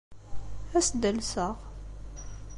Ad as-d-alseɣ.